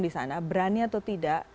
di sana berani atau tidak